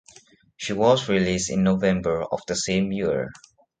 She was released in November of the same year.